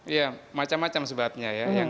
ya macam macam sebabnya ya